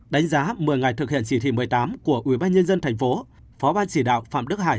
đánh giá một mươi ngày thực hiện chỉ thị một mươi tám của ubnd tp phó ban chỉ đạo phạm đức hải